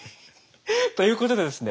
ということでですね